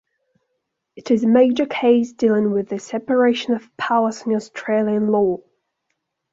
It is a major case dealing with the separation of powers in Australian law.